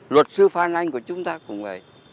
luật sư phan anh của chúng ta cũng vậy